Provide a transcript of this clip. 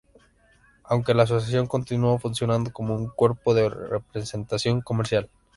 Aunque la Asociación continuó funcionando como un cuerpo de representación comercial.